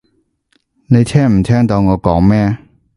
你聽唔聽到我講咩？